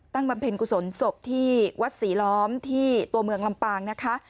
บำเพ็ญกุศลศพที่วัดศรีล้อมที่ตัวเมืองลำปางนะคะ